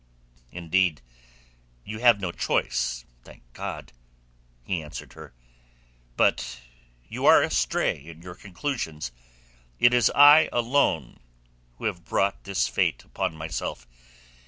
"Indeed, you have no choice, thank God!" he answered her. "But you are astray in your conclusions. It is I alone who have brought this fate upon myself.